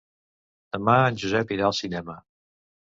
Demà en Josep irà al cinema.